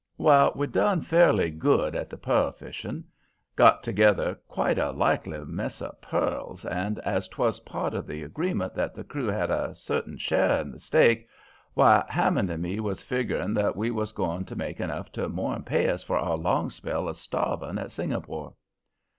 "Well, we done fairly good at the pearl fishing; got together quite a likely mess of pearls, and, as 'twas part of the agreement that the crew had a certain share in the stake, why, Hammond and me was figgering that we was going to make enough to more'n pay us for our long spell of starving at Singapore.